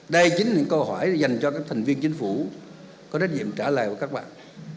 đây chính là những câu hỏi dành cho các thành viên chính phủ có trách nhiệm trả lời của các bạn